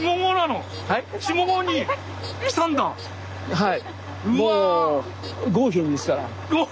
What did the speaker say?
はい。